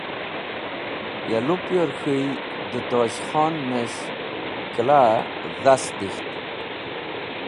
Ya lupyor k̃hũy dẽ Tosh Khon’nes̃h kala-e dhast dik̃ht.